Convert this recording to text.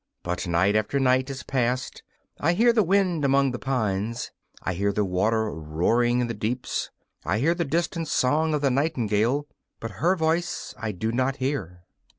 But night after night has passed. I hear the wind among the pines; I hear the water roaring in the deeps; I hear the distant song of the nightingale; but her voice I do not hear.